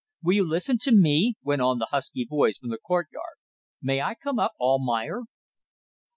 "Will you listen to me?" went on the husky voice from the courtyard. "May I come up, Almayer?"